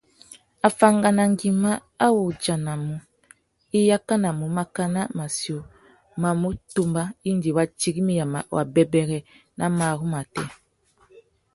Afánganangüima a wú udjanamú, i yakanamú makana matiō mà mù tumba indi wa tirimiya wabêbêrê nà marru matê.